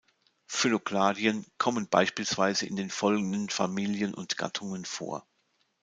Phyllokladien kommen beispielsweise in den folgenden Familien und Gattungen vor.